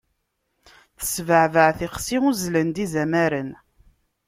Tesbeɛbeɛ tixsi, uzzlen-d izamaren.